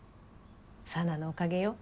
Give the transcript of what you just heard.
沙奈のおかげよ。